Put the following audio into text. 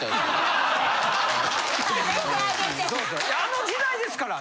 あの時代ですから。